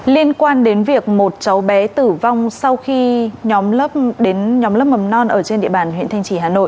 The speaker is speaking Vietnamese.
liên quan đến việc một cháu bé tử vong sau khi nhóm lớp mầm non ở trên địa bàn huyện thanh trì hà nội